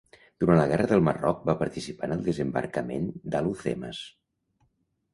Durant la guerra del Marroc va participar en el desembarcament d'Alhucemas.